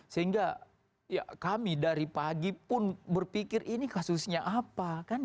sehingga ya kami dari pagi pun berpikir ini kasusnya apa